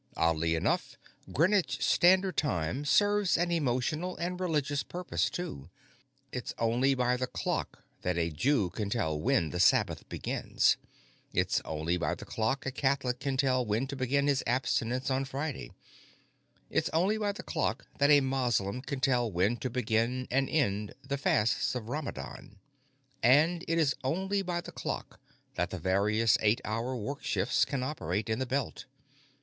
Oddly enough, Greenwich Standard Time serves an emotional and religious purpose, too. It's only by the clock that a Jew can tell when the Sabbath begins; it's only by the clock a Catholic can tell when to begin his abstinence on Friday; it's only by the clock that a Moslem can tell when to begin and end the fasts of Ramadan. And it is only by the clock that the various eight hour work shifts can operate in the Belt.